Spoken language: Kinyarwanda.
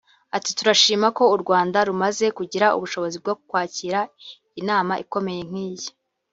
Ati”Turashima ko u Rwanda rumaze kugira ubushobozi bwo kwakira inama ikomeye nk’iyi